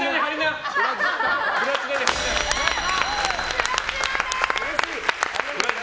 プラチナです！